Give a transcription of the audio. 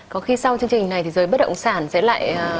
có khi sau chương trình này thì giới bất động sản sẽ lại